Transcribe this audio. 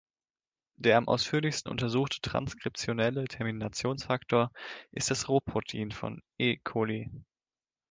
Der am ausführlichsten untersuchte transkriptionelle Terminationsfaktor ist das Rho-Protein von „E. coli“.